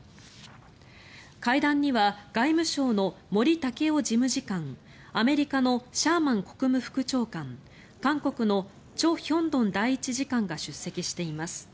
会談には外務省の森健良事務次官アメリカのシャーマン国務副長官韓国のチョ・ヒョンドン第１次官が出席しています。